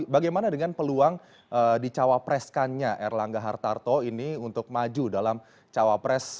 bagaimana dengan peluang dicawapreskannya erlangga hartarto ini untuk maju dalam cawapres